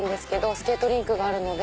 スケートリンクがあるので。